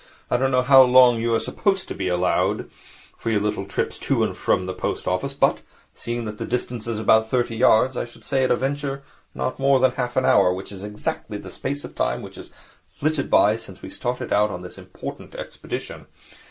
I don't know how long you are supposed to be allowed for your little trips to and from the post office, but, seeing that the distance is about thirty yards, I should say at a venture not more than half an hour. Which is exactly the space of time which has flitted by since we started out on this important expedition.